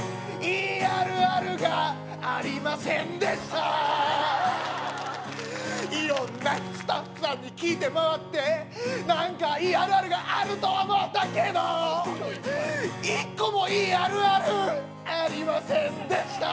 いあるあるがありませんでした色んなスタッフさんに聞いて回って何かいいあるあるがあると思ったけど１個もいいあるあるありませんでした